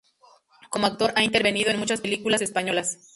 Como actor ha intervenido en muchas películas españolas.